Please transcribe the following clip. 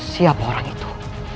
siapa orang itu